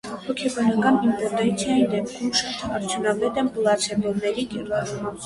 Հոգեբանական իմպոտենցիայի դեպքում շատ արդյունավետ են պլացեբոների կիրառումը։